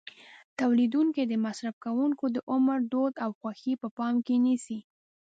تولیدوونکي د مصرف کوونکو د عمر، دود او خوښې په پام کې نیسي.